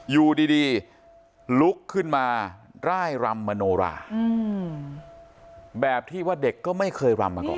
อยู่ดีลุกขึ้นมาร่ายรำมโนราแบบที่ว่าเด็กก็ไม่เคยรำมาก่อน